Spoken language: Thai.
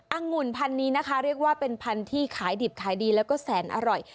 องุ่นพันธุ์นี้นะคะเรียกว่าเป็นพันธุ์ที่ขายดิบขายดีแล้วก็แสนอร่อย